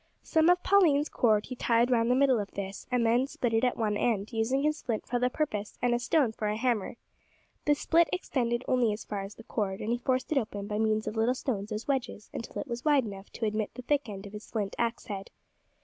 Some of Pauline's cord he tied round the middle of this, and then split it at one end, using his flint for the purpose, and a stone for a hammer. The split extended only as far as the cord, and he forced it open by means of little stones as wedges until it was wide enough to admit the thick end of his flint axe head.